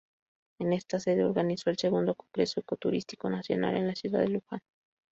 En esta sede organizó el Segundo Congreso Eucarístico Nacional en la ciudad de Luján.